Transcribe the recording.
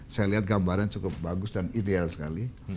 saya lihat gambarnya cukup bagus dan ideal sekali